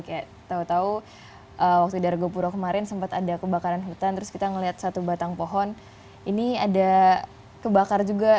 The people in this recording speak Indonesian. kayak tau tau waktu di argopuro kemarin sempat ada kebakaran hutan terus kita ngeliat satu batang pohon ini ada kebakar juga